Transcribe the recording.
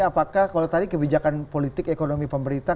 apakah kalau tadi kebijakan politik ekonomi pemerintah